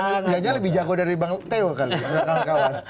dan biarnya lebih jago dari bang teo kali ya